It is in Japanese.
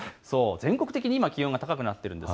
全国的に今、気温が高くなっています。